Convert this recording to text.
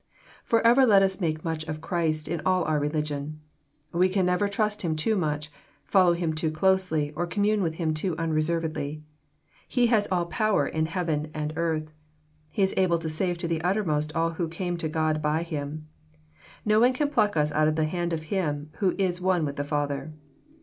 Forever let us make much of Christ in all our religion. We can never trust Him too much, follow Him too closely, or commune with Him too unreservedly. He has all power in heaven and earth. He is able to save to the uttermost all who come to God by Him. None can pluck us out of the hand of Him who is one with the Father.